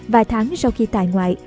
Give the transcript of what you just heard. vài tháng sau khi tài ngoại